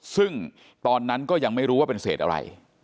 ซึ่งตอนนั้นก็ยังไม่รู้ว่าเป็นเศษอะไร